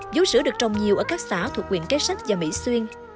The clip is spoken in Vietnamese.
bíu sữa được trồng nhiều ở các xã thuộc quyền cái sách và mỹ xuyên